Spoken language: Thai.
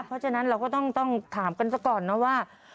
เพราะฉะนั้นเราก็ต้องถามกันซะก่อนนะว่า